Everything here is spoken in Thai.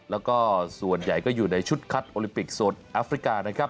แล้วก็ส่วนใหญ่ก็อยู่ในชุดคัดโอลิมปิกโซนแอฟริกานะครับ